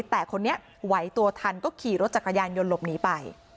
แต่คนนี้ไหวตัวทันก็ขี่รถจักรยานยนต์หลบหนีไป